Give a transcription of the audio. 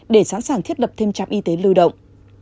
để sẵn sàng thiết lập thêm trạm y tế lưu động